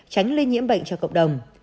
tránh lây nhiễm bệnh cho cộng đồng